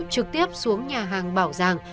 trực tiếp xuống nhà hàng bảo giang